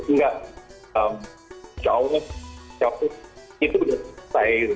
enggak jauh jauh itu sudah selesai